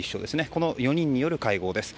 この４人による会合です。